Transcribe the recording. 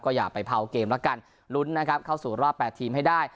อย่าไปเผาเกมแล้วกันลุ้นนะครับเข้าสู่รอบ๘ทีมให้ได้